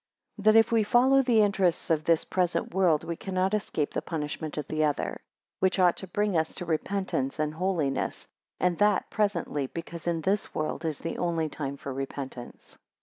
5 That, if we follow the interests of this present world, we cannot escape the punishment of the other. 10 Which ought to bring us to repentance and holiness, 14 and that presently: because in this world is the only time for repentance.